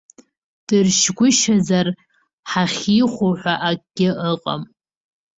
Дыршьгәышьазар, ҳахьихәо ҳәа акгьы ыҟам.